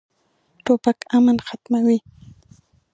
توپک امن ختموي.